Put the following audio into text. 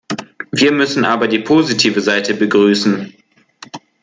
Wir müssen aber die positive Seite begrüßen.